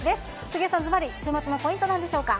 杉江さん、ずばり週末のポイントなんでしょうか。